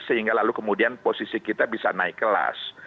sehingga lalu kemudian posisi kita bisa naik kelas